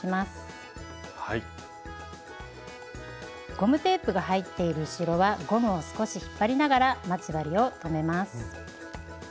ゴムテープが入っている後ろはゴムを少し引っ張りながら待ち針を留めます。